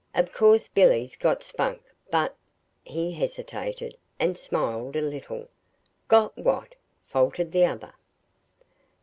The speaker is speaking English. "Of course Billy's got Spunk, but " he hesitated, and smiled a little. "Got what?" faltered the other.